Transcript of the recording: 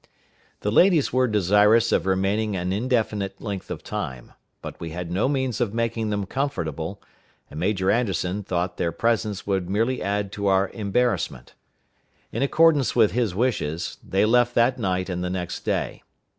The ladies were desirous of remaining an indefinite length of time; but we had no means of making them comfortable, and Major Anderson thought their presence would merely add to our embarrassment. In accordance with his wishes, they left that night and the next day.